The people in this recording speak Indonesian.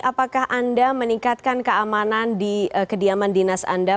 apakah anda meningkatkan keamanan di kediaman dinas anda